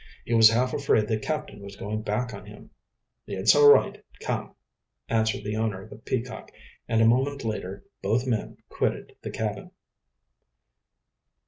He was half afraid the captain was going back on him. "It's all right; come," answered the owner of the Peacock; and a moment later both men quitted the cabin.